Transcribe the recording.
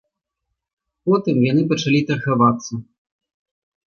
Потым яны пачалі таргавацца.